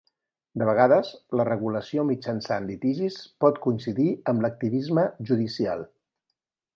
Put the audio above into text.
De vegades, la regulació mitjançant litigis pot coincidir amb l'activisme judicial.